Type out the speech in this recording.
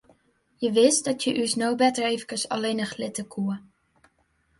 Hja wist dat hja ús no better efkes allinnich litte koe.